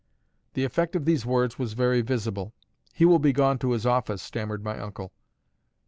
The effect of these words was very visible. "He will be gone to his office," stammered my uncle.